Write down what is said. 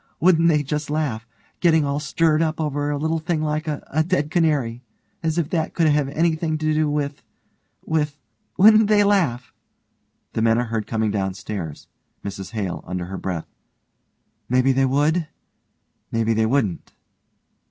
Wouldn't they just laugh! Getting all stirred up over a little thing like a dead canary. As if that could have anything to do with with wouldn't they laugh! (The men are heard coming down stairs.) MRS HALE: (under her breath) Maybe they would maybe they wouldn't.